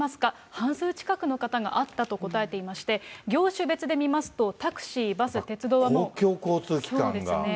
半数近くの人たちがあったと答えていまして、業種別で見ますと、タクシー、公共交通機関が圧倒的に。